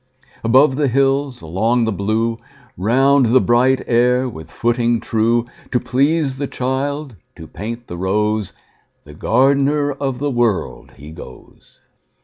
Above the hills, along the blue, Round the bright air with footing true, To please the child, to paint the rose, The gardener of the World, he goes.